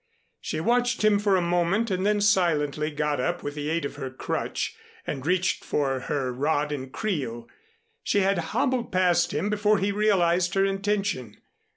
She watched him for a moment and then silently got up with the aid of her crutch and reached for her rod and creel. She had hobbled past him before he realized her intention.